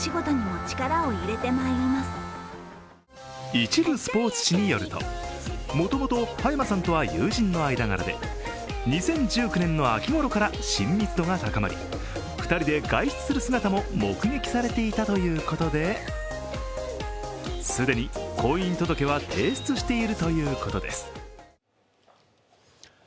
一部スポーツ紙によるともともと葉山さんとは友人の間柄で２０１９年の秋ごろから親密度が高まり、２人で外出する姿も目撃されていたということで既に婚姻届は提出しているということです。